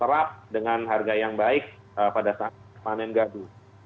serap dengan harga yang baik pada saat panen gadu